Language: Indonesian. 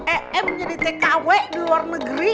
em jadi tkw di luar negeri